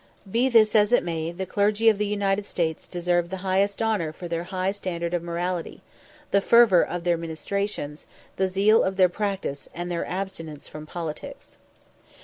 Be this as it may, the clergy of the United States deserve the highest honour for their high standard of morality, the fervour of their ministrations, the zeal of their practice, and their abstinence from politics.